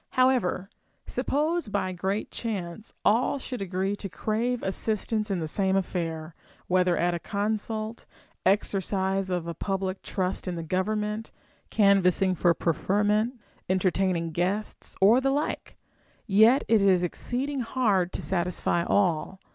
However, suppose by great chance all should agree to crave assistance in the same affair, whether at a consult, exercise of a public trust in the government, canvassini^ for preferment, entertaining guests, or the like ; yet it is exceeding hard to satisfy all.